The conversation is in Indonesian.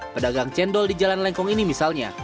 pedagang cendol di jalan lengkong ini misalnya